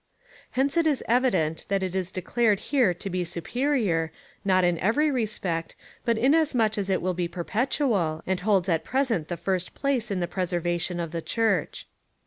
Hence it is evident, that it is declared here to be superior — not in every respect, but inasmuch as it will be perpetual, and holds at present the first place in the preser vation of the Church.